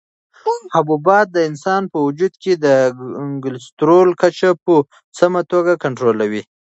حبوبات د انسان په وجود کې د کلسترولو کچه په سمه توګه کنټرولوي.